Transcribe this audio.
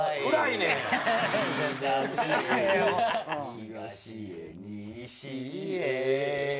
「東へ西へ」